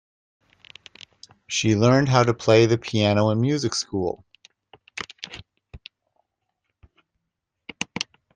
She learned how to play the piano in music school.